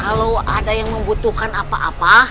kalau ada yang membutuhkan apa apa